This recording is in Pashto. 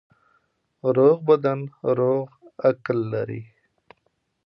روغ بدن روغ عقل لري.